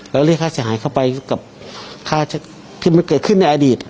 แล้วเรียกค่าเสียหายเข้าไปกับค่าที่มันเกิดขึ้นในอดีต